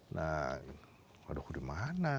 nah aduh dimana